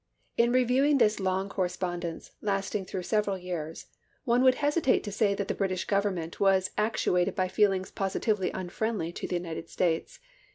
In reviewing this long corre spondence, lasting through several years, one would hesitate to say that the British Government was actuated by feelings positively unfriendly to the United States.